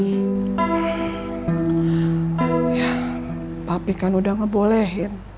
ya tapi kan udah ngebolehin